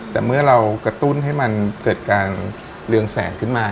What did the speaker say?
แต่เมื่อเรากระตุ้นให้มันเกิดการเรืองแสงขึ้นมา